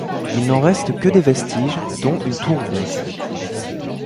Il n'en reste que des vestiges dont une tour ronde.